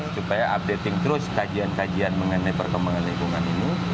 supaya updating terus kajian kajian mengenai perkembangan lingkungan ini